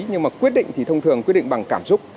nhưng mà quyết định thì thông thường quyết định bằng cảm xúc